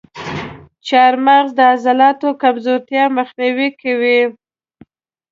چارمغز د عضلاتو کمزورتیا مخنیوی کوي.